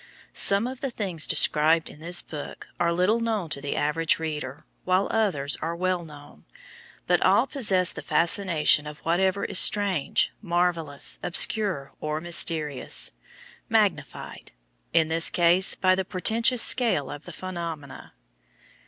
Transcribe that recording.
Some of the things described in this book are little known to the average reader, while others are well known; but all possess the fascination of whatever is strange, marvelous, obscure, or mysterious—magnified, in this case, by the portentous scale of the phenomena.